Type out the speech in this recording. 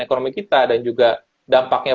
ekonomi kita dan juga dampaknya